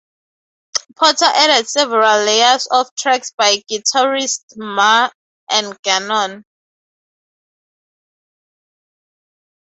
Porter added several layers of tracks by guitarists Marr and Gannon.